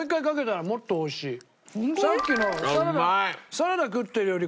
サラダ食ってるより。